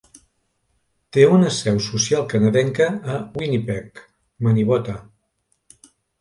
Té una seu social canadenca a Winnipeg, Manibota.